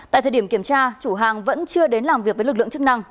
tại thời điểm kiểm tra chủ hàng vẫn chưa đến làm việc với lực lượng chức năng